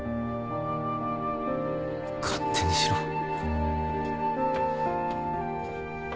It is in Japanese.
勝手にしろ。